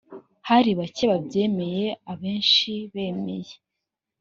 hari bake babyemeye abenshi bemeye